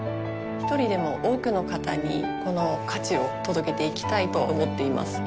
一人でも多くの方にこの価値を届けていきたいと思っています。